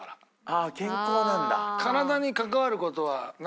あっ健康なんだ。